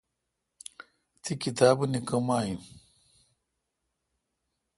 تی کتابونی کم این؟